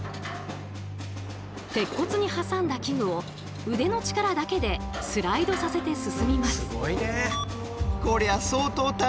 鉄骨に挟んだ器具を腕の力だけでスライドさせて進みます。